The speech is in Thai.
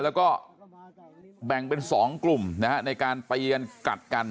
แล้วก็แบ่งเป็น๒กลุ่มนะฮะในการไปกันกัดกัน